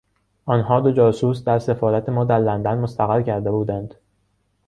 آنها دو جاسوس در سفارت ما در لندن مستقر کرده بودند.